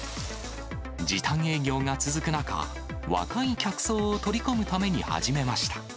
時短営業が続く中、若い客層を取り込むために始めました。